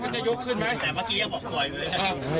อาวุธเด็ดของเราอะไรครับ